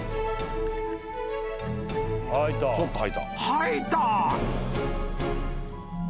［吐いた］